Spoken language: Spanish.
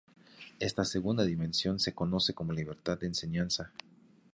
Esta segunda dimensión se conoce como libertad de enseñanza.